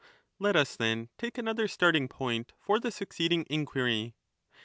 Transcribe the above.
6 1222* 6 Let us, then, take another starting point for the succeeding 15 inquiry.